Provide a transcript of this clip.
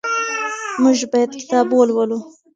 موږ باید کتاب ولولو.